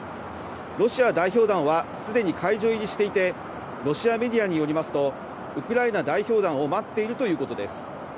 ロシア代表団は、すでに会場入りしていて、ロシアメディアによりますと、ウクライナ代表団を待っているということです。